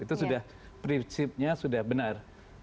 itu sudah prinsipnya sudah benar